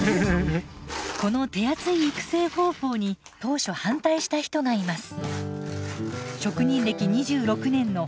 この手厚い育成方法に当初反対した人がいます。